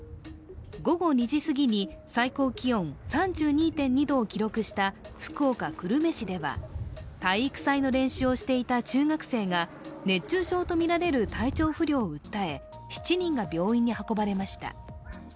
午後２時すぎに最高気温３２．２度を記録した福岡・久留米市では、体育祭の練習をしていた中学生が熱中症とみられる体調不良を訴え、７人が病院に運ばれました。